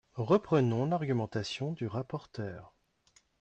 Reprenons l’argumentation du rapporteur.